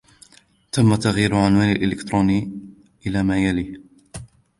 تم تغيير عنواني الإلكتروني إلى ما يلي.